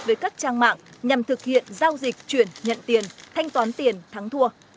với các trang mạng nhằm thực hiện giao dịch chuyển nhận tiền thanh toán tiền thắng thua